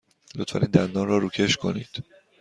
لطفاً این دندان را روکش کنید.